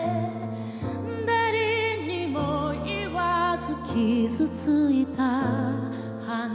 「誰にも言わず傷ついた花」